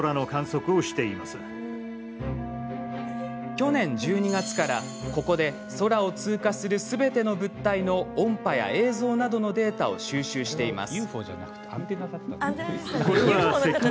去年１２月からここで空を通過するすべての物体の音波や映像などのデータを収集しています。